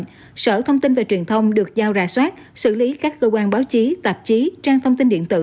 đặc biệt sở thông tin về truyền thông được giao ra soát xử lý các cơ quan báo chí tạp chí trang thông tin điện tử